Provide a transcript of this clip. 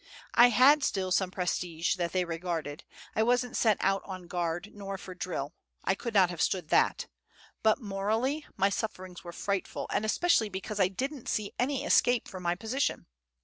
I had still some prestige that they regarded. I wasn't sent out on guard nor for drill. I could not have stood that. But morally my sufferings were frightful; and especially because I didn't see any escape from my position.